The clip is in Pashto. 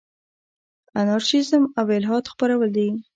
انارشیزم او الحاد خپرول دي.